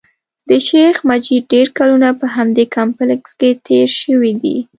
د شیخ مجید ډېر کلونه په همدې کمپلېکس کې تېر شوي دي.